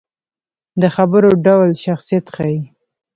د خبرو ډول شخصیت ښيي